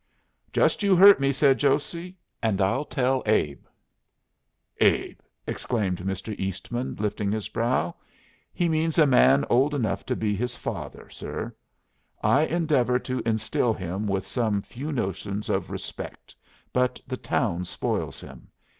"Just you hurt me," said Josey, "and I'll tell Abe." "Abe!" exclaimed Mr. Eastman, lifting his brow. "He means a man old enough to be his father, sir. I endeavor to instill him with some few notions of respect, but the town spoils him.